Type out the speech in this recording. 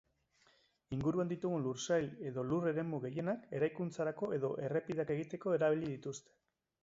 Inguruan ditugun lur-sail edo lur-eremu gehienak eraikuntzarako edo errepideak egiteko erabili dituzte.